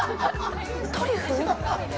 トリュフ？